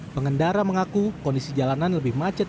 pengendara mengaku kondisi jalanan lebih macet